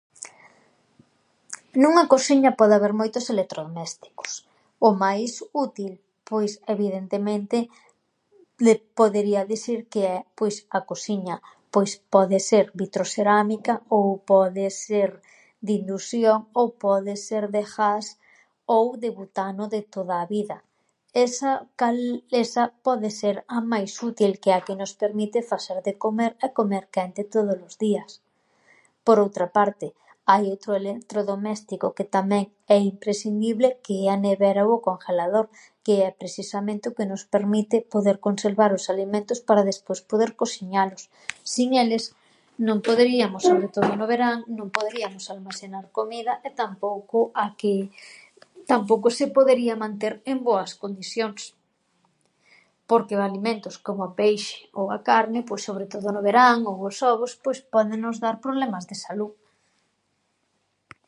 Nunha cosiña pode haber moitos electrodomésticos, o máis útil, pois, evidentemente, podería disir que é, pois, a cosiña, pois pode ser vitroserámica, ou pode ser de indusión, ou pode ser de ghas ou de butano de toda a vida, esa cal, esa poder ser a máis útil que é a que nos permite faser de comer e comer quente tódolos días. Por outra parte, hai outro elen- electrodoméstico que tamén é imprescindible que é a nevera ou o congelador que é presisamente o que nos permite poder conservar os alimentos para despois poder cosiñalos, sin eles non poderíamos, sobre todo no verán, non poderíamos almasenar comida e tampouco a que, tampouco se podería manter en boas condisións porque o alimentos como o peixe ou a carne, pois, sobre todo, no verán ou os ovos, pois pódenos dar problemas de salú.